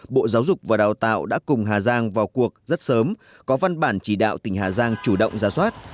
bộ giáo dục và đào tạo đã cùng hà giang vào cuộc rất sớm có văn bản chỉ đạo tỉnh hà giang chủ động ra soát